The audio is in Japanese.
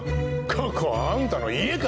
ここはあんたの家か！？